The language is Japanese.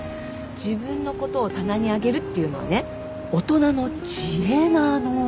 自分のことを棚に上げるっていうのはね大人の知恵なの。